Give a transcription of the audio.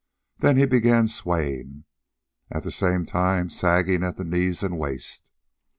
Then he began swaying, at the same time sagging at the knees and waist.